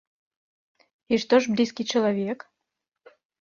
І што ж блізкі чалавек?